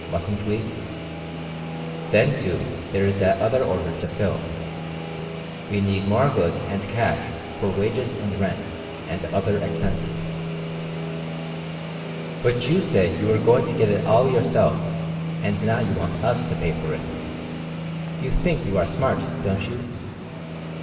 Mustn't we? Then, too, there is that other order to fill. We need more goods and cash for wages and rent and other expenses. "But you said you were going to get it all yourself, and now you want us to pay for it. You think you are smart, don't you?"